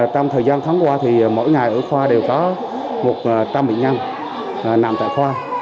trong thời gian tháng qua thì mỗi ngày ở khoa đều có một trăm linh bệnh nhân nằm tại khoa